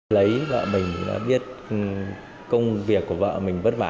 lấy vợ mình biết công việc của vợ mình vất vả